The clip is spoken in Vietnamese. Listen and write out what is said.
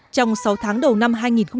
trong sáu tháng đầu năm hai nghìn một mươi tám